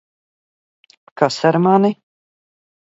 Kas ar mani?